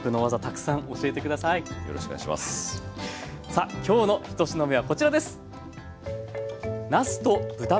さあ今日のひと品目はこちらです！